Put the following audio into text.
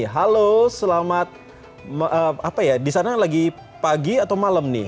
halo selamat apa ya di sana lagi pagi atau malam nih